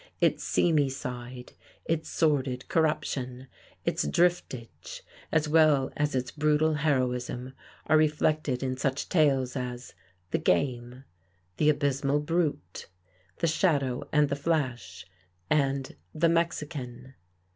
Its seamy side, its sordid corruption, its driftage, as well as its brutal heroism, are reflected in such tales as "The Game," "The Abysmal Brute," "The Shadow and the Flash," and "The Mexican."